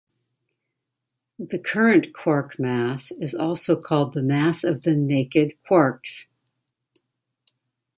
The current quark mass is also called the mass of the 'naked' quarks.